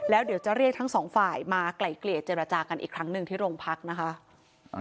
แล้วเดี๋ยวจะเรียกทั้งสองฝ่ายมาไกล่เกลี่ยเจรจากันอีกครั้งหนึ่งที่โรงพักนะคะ